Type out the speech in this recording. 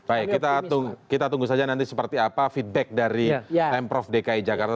baik kita tunggu saja nanti seperti apa feedback dari pemprov dki jakarta